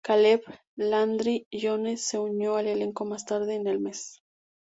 Caleb Landry Jones se unió al elenco más tarde en el mes.